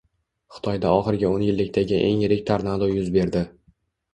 Xitoyda oxirgi o‘n yillikdagi eng yirik tornado yuz berdi